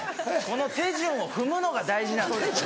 この手順を踏むのが大事なんです。